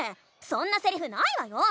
そんなセリフないわよ！